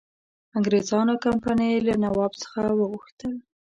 انګرېزانو کمپنی له نواب څخه وغوښتل.